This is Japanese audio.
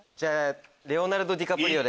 「レオナルド・ディカプリオ」で。